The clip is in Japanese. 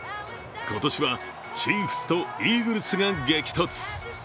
今年はチーフスとイーグルスが激突。